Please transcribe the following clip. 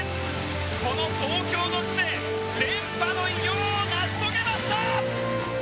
この東京の地で連覇の偉業を成し遂げました！